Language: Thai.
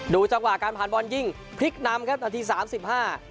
จังหวะการผ่านบอลยิงพลิกนำครับนาทีสามสิบห้า